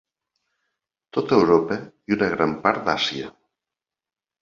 Tot Europa i una gran part d'Àsia.